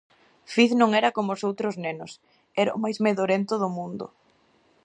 Fiz non era como os outros nenos: Era o máis medorento do mundo.